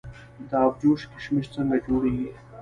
د ابجوش کشمش څنګه جوړیږي؟